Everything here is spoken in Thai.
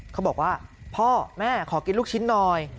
เขาบอกว่าพ่อแม่ขอกินลูกชิ้นหน่อย